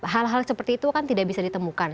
hal hal seperti itu kan tidak bisa ditemukan